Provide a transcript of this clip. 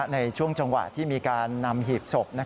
ในช่วงจังหวะที่มีการนำหีบศพ